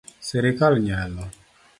Sirkal nyalo